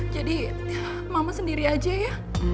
jadi mama sendiri aja ya